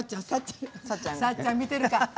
さっちゃん、見てるか？